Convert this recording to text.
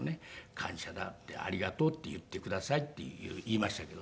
「感謝だってありがとうって言ってください」って言いましたけど。